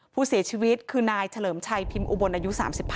ผู้เสียชีวิตคือนายเฉลิมชัยพิมพ์อุบลอายุ๓๕